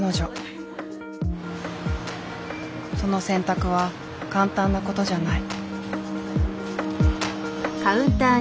その選択は簡単な事じゃない。